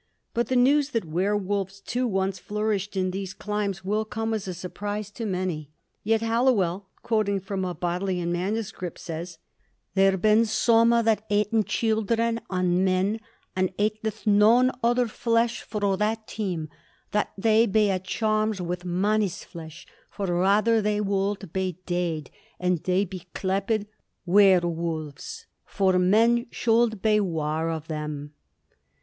But the news that werwolves, too, once flourished in these climes will come as a surprise to many. Yet Halliwell, quoting from a Bodleian MS., says: "Ther ben somme that eten chyldren and men, and eteth noon other flesh fro that tyme that thei be a charmed with mannys flesh for rather thei wolde be deed; and thei be cleped werewolfes for men shulde be war of them."